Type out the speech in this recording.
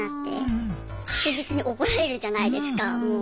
確実に怒られるじゃないですかもう。